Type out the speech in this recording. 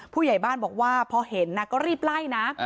ผู้ใหญ่บ้านบอกว่าพอเห็นก็รีบไล่นะ